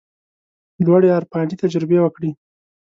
لوړې عرفاني تجربې وکړي.